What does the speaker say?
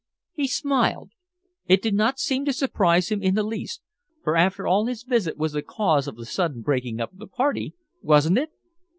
"He smiled. It did not seem to surprise him in the least, for after all his visit was the cause of the sudden breaking up of the party, wasn't it?"